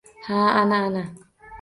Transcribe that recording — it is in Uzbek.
— Ha-a, ana, ana!